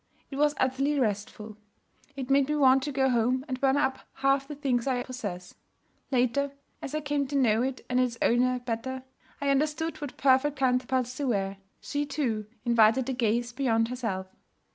It was utterly restful. It made me want to go home and burn up half the things I possess. Later, as I came to know it and its owner better, I understood what perfect counterparts they were. She, too, invited the gaze beyond herself.